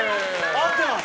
合ってます！